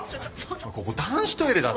ここ男子トイレだぞ！